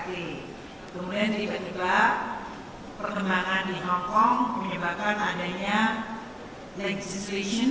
kemudian tiba tiba perkembangan di hongkong menyebabkan adanya legislation